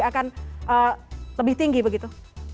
akan lebih tinggi begitu